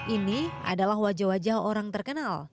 ini adalah wajah wajah orang terkenal